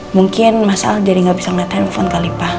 mungkin mas al jadi gak bisa liat handphone kali pak